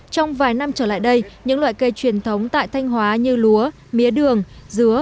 trong vài năm trở lại đây những loại cây truyền thống tại thanh hóa như lúa mía đường dứa